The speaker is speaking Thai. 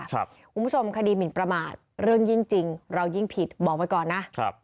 คุณผู้ชมคดีมินประมาทเรื่องจริงจริงเรายิ่งผิดบอกไว้ก่อนนะ